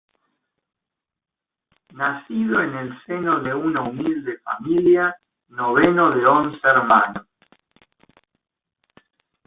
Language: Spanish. Nacido en el seno de una humilde familia, noveno de once hermanos.